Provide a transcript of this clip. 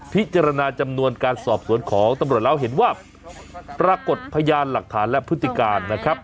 พิจารณาจำนวนการสอบสวนของตำรวจแล้วเห็นว่าปรากฏพยานหลักฐานและพฤติการนะครับ